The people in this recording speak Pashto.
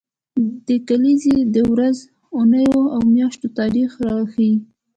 دا کلیزې د ورځو، اونیو او میاشتو تاریخ راښيي.